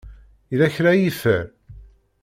Yella kra ay yeffer?